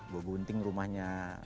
gue gunting rumahnya